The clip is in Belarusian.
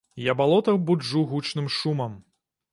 Я балота буджу гучным шумам.